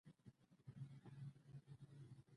څه ښه بڼه لرې